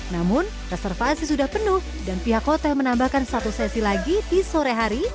namun reservasi sudah penuh dan pihak hotel menambahkan satu sesi lagi di sore hari